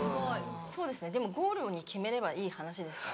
そうですねでもゴールを決めればいい話ですから。